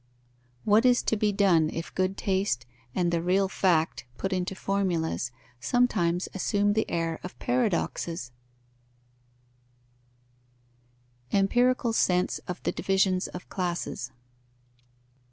What is to be done if good taste and the real fact, put into formulas, sometimes assume the air of paradoxes? _Empirical sense of the divisions of classes.